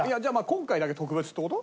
今回だけ特別って事？